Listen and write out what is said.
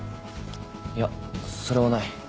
いやそれはない。